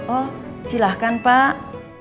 oh silahkan pak